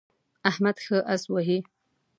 احمد ښه اس وهي.